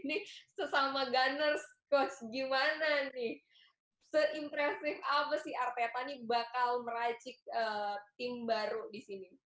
seimpresif apa sih arteta ini bakal meracik tim baru di sini